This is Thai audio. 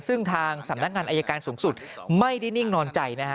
ซึ่งทางสำนักงานอายการสูงสุดไม่ได้นิ่งนอนใจนะฮะ